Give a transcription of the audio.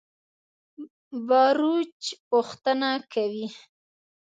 باروچ پوښتنه کوي.